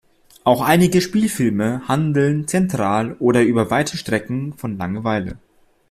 Auch einige Spielfilme handeln zentral oder über weite Strecken von Langeweile.